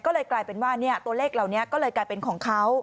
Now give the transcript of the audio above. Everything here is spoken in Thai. ก็เลยกลายเป็นว่าตัวเลขเหล่านี้ก็เลยกลายเป็นของเขา